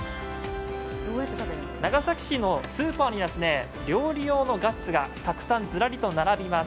長崎市のスーパーには料理用のガッツがたくさんズラリと並びます。